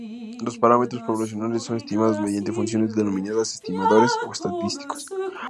Los parámetros poblacionales son estimados mediante funciones denominadas "estimadores" o "estadísticos".